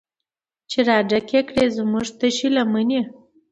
چې راډکې کړي زمونږ تشې لمنې